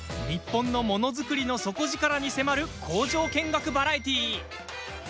日本のものづくりの底力に迫る工場見学バラエティー。